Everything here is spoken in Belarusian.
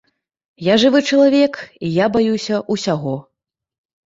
Я жывы чалавек і я баюся ўсяго.